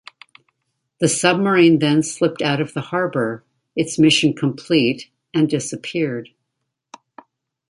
The submarine then slipped out of the harbour, its mission complete, and disappeared.